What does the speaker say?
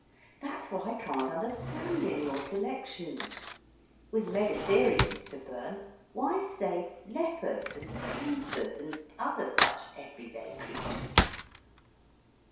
That's what I can't understand in your selections; with Megatheriums to burn, why save leopards and panthers and other such every day creatures?"